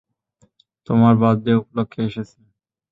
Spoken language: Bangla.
তোমার বার্থডে উপলক্ষ্যে এসেছি!